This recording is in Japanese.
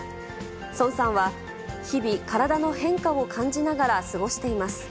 ソンさんは、日々、体の変化を感じながら過ごしています。